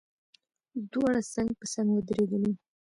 دواړه څنګ په څنګ ودرېدلو.